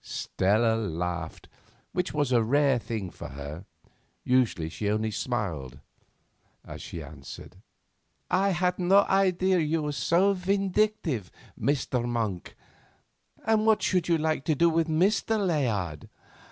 Stella laughed, which was a rare thing with her—usually she only smiled—as she answered: "I had no idea you were so vindictive, Mr. Monk. And what would you like to do with Mr. Layard?"